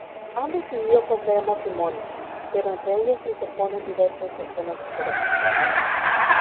Han decidido contraer matrimonio, pero entre ellos se interponen diversos y ajenos intereses.